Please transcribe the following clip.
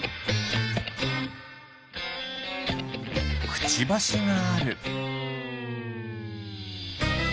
くちばしがある。